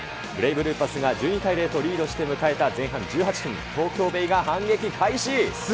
ブレイブルーパスが１２対０とリードして迎えた前半１８分、東京ベイが開始。